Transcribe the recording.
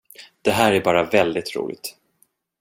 Det här är bara väldigt roligt.